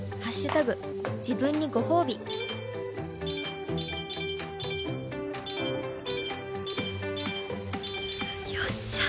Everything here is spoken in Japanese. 自分にごほうび」よっしゃ。